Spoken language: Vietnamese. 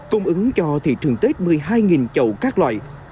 cung ứng cho thị trường tết một mươi hai chậu các loại